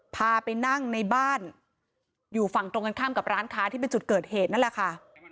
พาไปนั่งในบ้านอยู่ฝั่งตรงกันข้ามกับร้านค้าที่เป็นจุดเกิดเหตุนั่นแหละค่ะ